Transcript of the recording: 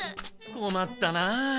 こまったなあ。